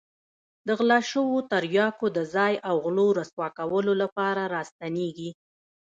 د غلا شوو تریاکو د ځای او غلو رسوا کولو لپاره را ستنېږي.